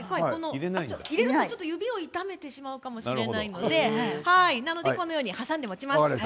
入れると指を痛めてしまうかもしれないのでなので挟んで持ちます。